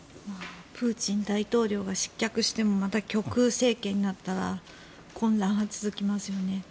プーチン大統領が失脚してもまた極右政権になったら混乱は続きますよね。